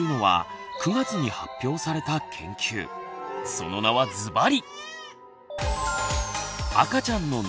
その名はズバリ！